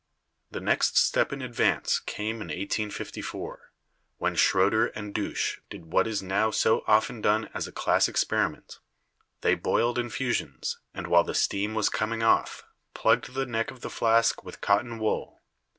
50 BIOLOGY The next step in advance came in 1854, when Schroeder and Dusch did what is now so often done as a class experiment : they boiled infusions, and while the steam was coming off plugged the neck of the flask with cotton wool.